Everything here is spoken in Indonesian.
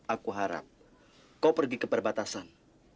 aku harap kau pergi ke perbatasan